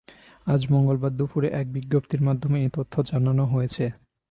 আজ মঙ্গলবার দুপুরে এক বিজ্ঞপ্তির মাধ্যমে এ তথ্য জানানো হয়েছে।